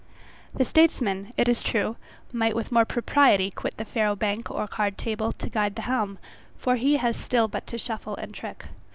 The statesman, it is true, might with more propriety quit the Faro Bank, or card table, to guide the helm, for he has still but to shuffle and trick.